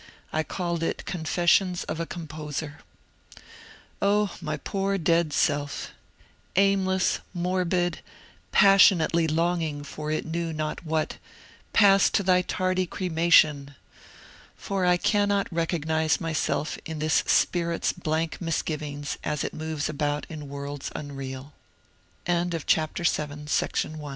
I called it Confessions of a Composer." O my poor dead self — aimless, morbid, passionately long ing for it knew not what, — pass to thy tardy cremation 1 For I cannot recognize myself in this spirit's blank misgivings as it moves about in worlds unreal An illness in April was